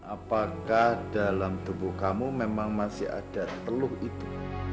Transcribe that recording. apakah dalam tubuh kamu memang masih ada teluk itu